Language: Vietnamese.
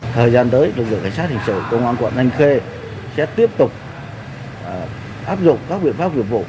thời gian tới lực lượng cảnh sát hình sự công an quận thanh khê sẽ tiếp tục áp dụng các biện pháp nghiệp vụ